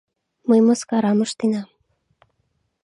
Мый мыскарам ыштенам...